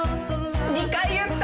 ２回言った！